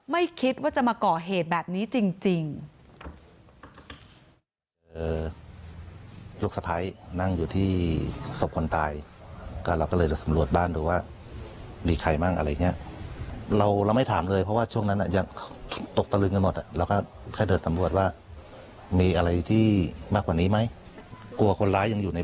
ไม่คิดว่าจะมาก่อเหตุแบบนี้จริง